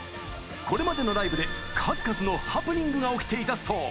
これまでのライブで数々のハプニングが起きていたそう。